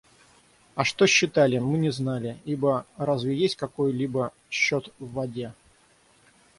А что считали, мы не знали, ибо разве есть какой-либо счет в воде?